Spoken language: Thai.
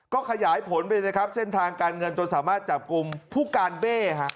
ก็ขยายผลไปนะครับเส้นทางการเงินจนสามารถจับกลุ่มผู้การเบ้